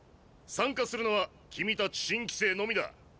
参加するのは君たち新規生のみだ。